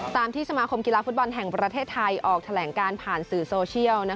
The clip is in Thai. ตามที่สมาคมกีฬาฟุตบอลแห่งประเทศไทยออกแถลงการผ่านสื่อโซเชียล